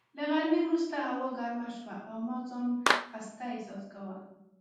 له غرمې وروسته هوا ګرمه شوه او ما ځان خسته احساس کاوه.